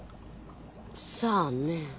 さあね。